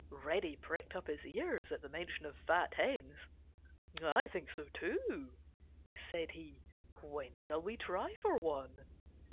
Reddy pricked up his ears at the mention of fat hens. "I think so too," said he. "When shall we try for one?"